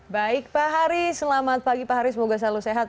baik pak hari selamat pagi pak haris semoga selalu sehat